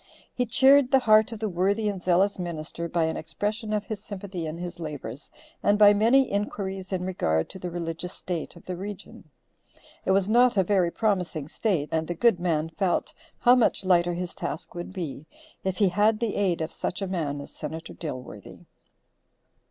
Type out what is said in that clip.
He cheered the heart of the worthy and zealous minister by an expression of his sympathy in his labors, and by many inquiries in regard to the religious state of the region. It was not a very promising state, and the good man felt how much lighter his task would be, if he had the aid of such a man as Senator Dilworthy.